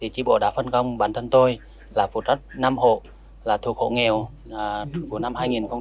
chỉ bộ đã phân công bản thân tôi là phụ trách năm hộ là thuộc hộ nghèo của năm hai nghìn hai mươi